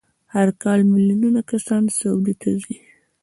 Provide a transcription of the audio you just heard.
هر کال میلیونونه کسان سعودي ته ځي.